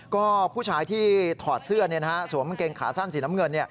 ก็ผู้ชายที่ถอดเสื้อสวมกางเกงขาสั้นสีน้ำเงิน